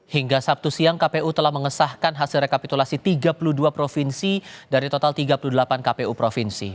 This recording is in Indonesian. hingga sabtu siang kpu telah mengesahkan hasil rekapitulasi tiga puluh dua provinsi dari total tiga puluh delapan kpu provinsi